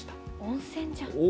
温泉じゃん。